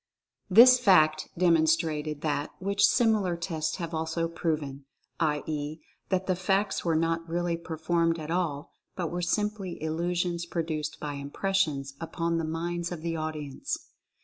This fact demonstrated that which similar tests have also proven ; i. e., that the feats were not really performed at all but were simply illusions produced by impressions upon the minds of the audience.